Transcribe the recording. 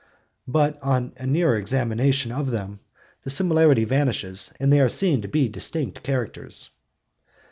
But on a nearer examination of them the similarity vanishes, and they are seen to be distinct characters.